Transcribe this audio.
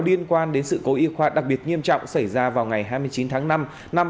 liên quan đến sự cố y khoa đặc biệt nghiêm trọng xảy ra vào ngày hai mươi chín tháng năm năm hai nghìn hai mươi ba